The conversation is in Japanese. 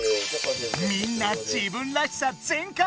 みんな自分らしさ全開！